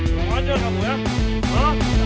pakai jaket kobra